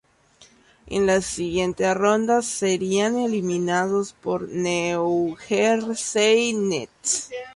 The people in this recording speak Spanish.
En la siguiente ronda, serían eliminados por New Jersey Nets.